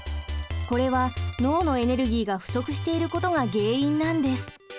これは脳のエネルギーが不足していることが原因なんです。